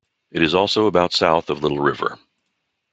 It is also about south of Little River.